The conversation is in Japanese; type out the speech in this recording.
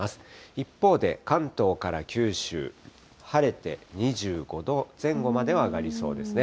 一方で、関東から九州、晴れて２５度前後までは上がりそうですね。